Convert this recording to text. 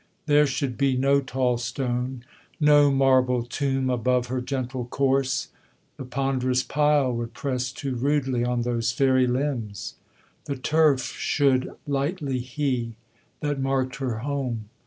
There should be no tall stone, no marble tomb Above her gentle corse; the ponderous pile Would press too rudely on those fairy limbs. The turf should lightly he, that marked her home.